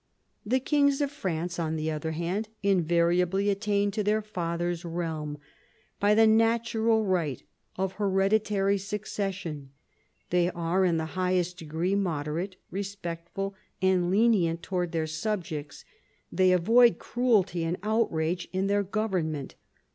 The kings of France, on the other hand, invariably attain to their father's realm by the natural right of hereditary succession; they are in the highest degree moderate, respectful, and lenient towards their subjects ; they avoid cruelty and outrage in their government.